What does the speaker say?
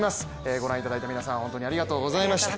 ご覧いただいた皆さん本当にありがとうございました。